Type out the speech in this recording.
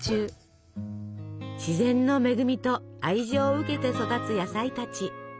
自然の恵みと愛情を受けて育つ野菜たち。